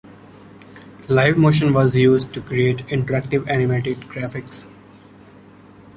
LiveMotion was used to create interactive animated graphics.